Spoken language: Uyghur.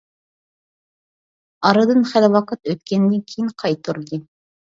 ئارىدىن خېلى ۋاقىت ئۆتكەندىن كېيىن قايتۇردى.